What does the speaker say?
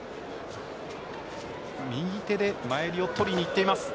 右手で前襟を取りに行っています。